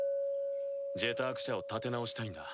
「ジェターク社」を立て直したいんだ。